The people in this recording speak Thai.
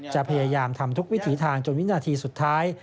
พยายามทำทุกวิถีทางจนวินาทีสุดท้าย